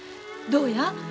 どうや？